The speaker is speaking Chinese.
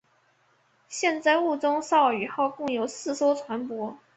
现在雾中少女号共有四艘船舶。